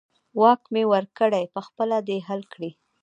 واک مې ورکړی، په خپله دې حل کړي.